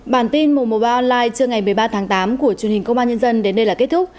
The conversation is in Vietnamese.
bản tin mùa mùa ba online trưa ngày một mươi ba tháng tám của chương trình công an nhân dân đến đây là kết thúc